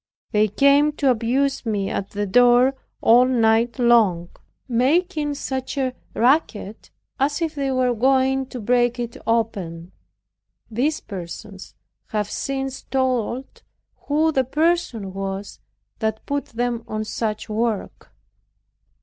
They came to abuse me at the door all night long, making such a racket as if they were going to break it open. These persons have since told who the person was that put them on such work.